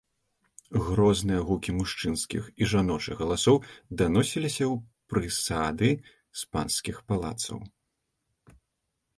Грозныя гукі мужчынскіх і жаночых галасоў даносіліся ў прысады з панскіх палацаў.